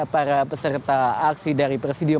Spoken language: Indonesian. para peserta aksi dari presidium